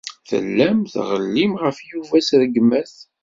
Tellam tɣellim ɣef Yuba s rregmat.